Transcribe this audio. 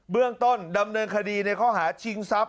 เรื่องต้นดำเนินคดีในข้อหาชิงทรัพย